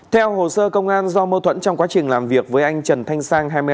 theo hồ sơ công an do mâu thuẫn trong quá trình làm việc với anh trần thanh sang